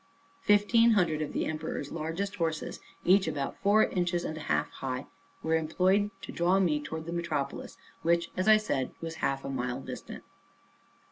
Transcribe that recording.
Fifteen hundred of the emperor's largest horses, each about four inches and an half high, were employed to draw me towards the metropolis, which, as I said, was half a mile distant.